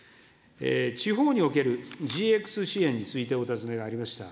地方におけるＧＸ支援についてお尋ねがありました。